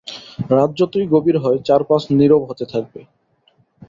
রাত যতই গভীর হয় চারপাশ নীরব হতে থাকে।